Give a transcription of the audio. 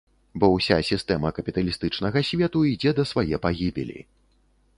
Бо ўся сістэма капіталістычнага свету ідзе да свае пагібелі.